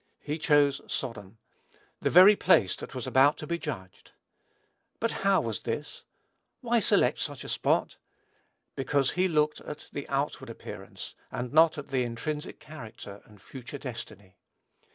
He chose Sodom. The very place that was about to be judged. But how was this? Why select such a spot? Because he looked at the outward appearance, and not at the intrinsic character and future destiny.